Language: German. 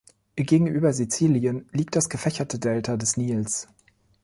Gegenüber Sizilien liegt das gefächerte Delta des Nils.